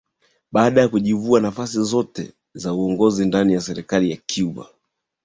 Baada ya kujivua nafasi zote za uongozi ndani ya serikali ya Cuba